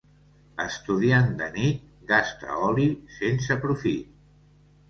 Estudiant de nit gasta oli sense profit.